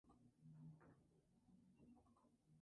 Dijo además que lo que estaban buscando era un daño económico.